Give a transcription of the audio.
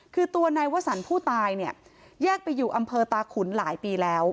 คือตัวนายวสันผู้ตายเนี่ยแยกไปอยู่อำเภอตาขุนหลายปีแล้ว